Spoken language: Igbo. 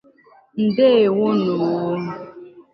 Ndewonụ.